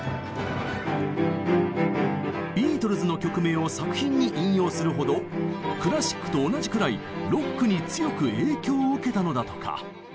ビートルズの曲名を作品に引用するほどクラシックと同じくらいロックに強く影響を受けたのだとか。